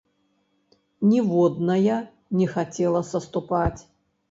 Ніводная не хацела саступаць.